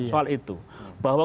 soal itu bahwa